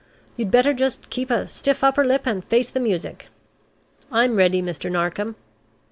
You'd better just keep a stiff upper lip and face the music. I'm ready, Mr. Narkom."